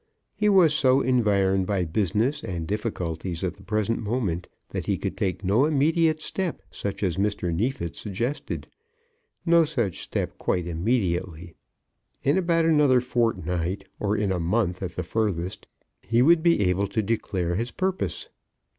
He was so environed by business and difficulties at the present moment that he could take no immediate step such as Mr. Neefit suggested, no such step quite immediately. In about another fortnight, or in a month at the furthest, he would be able to declare his purpose.